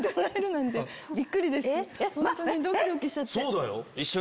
そうだよ。